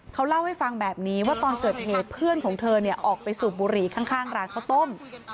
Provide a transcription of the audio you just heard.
เขาเล่าให้ฟังแบบนี้ว่าตอนเกิดเหตุเพื่อนของเธอออกไปสูบบุหรี่ข้างร้านข้าวต้ม